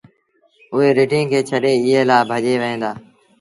اوٚ رڍينٚ کي ڇڏي ايٚئي لآ ڀڄي وهي دو